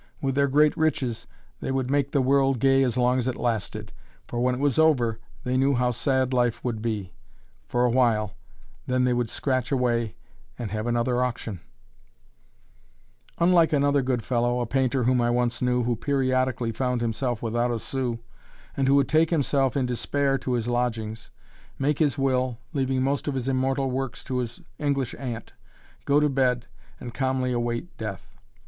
With their great riches, they would make the world gay as long as it lasted, for when it was over they knew how sad life would be. For a while then they would scratch away and have another auction! [Illustration: DAYLIGHT] Unlike another good fellow, a painter whom I once knew, who periodically found himself without a sou, and who would take himself, in despair, to his lodgings, make his will, leaving most of his immortal works to his English aunt, go to bed, and calmly await death!